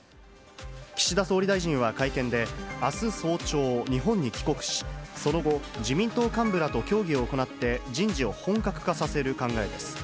岸田総理大臣は会見で、あす早朝、日本に帰国し、その後、自民党幹部らと協議を行って人事を本格化させる考えです。